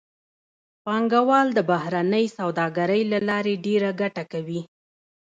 پانګوال د بهرنۍ سوداګرۍ له لارې ډېره ګټه کوي